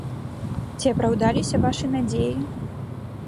Ці апраўдаліся вашы надзеі?